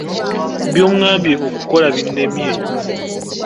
By'ongambye okukola binnemye.